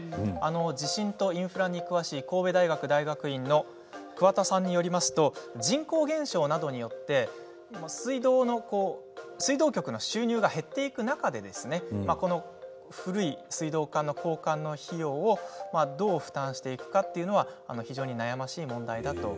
地震とインフラに詳しい神戸大学大学院の鍬田さんによりますと人口減少などによって水道局の収入が減っていく中で古い水道管の交換の費用をどう負担していくかというのは非常に悩ましい問題だと。